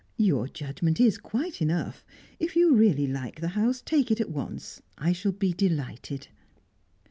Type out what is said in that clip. Your judgment is quite enough. If you really like the house, take it at once. I shall be delighted."